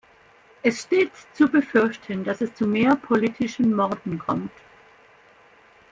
Es steht zu befürchten, dass es zu mehr politischen Morden kommt.